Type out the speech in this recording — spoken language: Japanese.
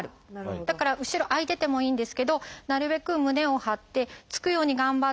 だから後ろ空いててもいいんですけどなるべく胸を張ってつくように頑張って。